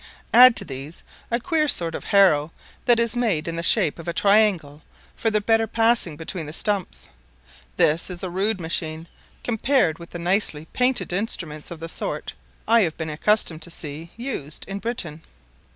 Add to these a queer sort of harrow that is made in the shape of a triangle for the better passing between the stumps: this is a rude machine compared with the nicely painted instruments of the sort I have been accustomed to see used in Britain.